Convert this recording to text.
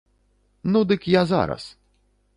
Ну, дык я зараз.